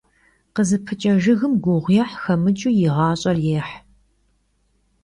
Khızıpıç'e jjıgım guğuêh xemıç'ıu yi ğaş'er yêh.